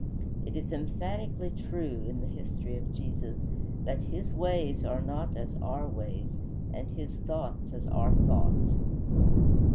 It is emphatically true, in the history of Jesus, that his ways are not as our ways, and his thoughts as our thoughts.